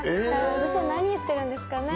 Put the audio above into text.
私は何を言ってるんですかね。